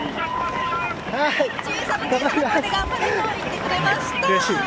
小さな声で頑張れと言ってくれました。